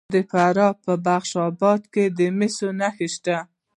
د فراه په بخش اباد کې د مسو نښې شته.